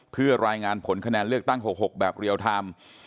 เพื่อรายงานผลคะแนนเลือกตั้ง๖๖แบบเรียลไทม์